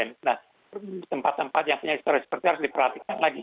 nah tempat tempat yang punya historis seperti harus diperhatikan lagi